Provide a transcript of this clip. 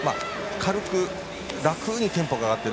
軽く楽にテンポが上がっている